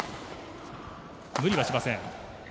無理はしません。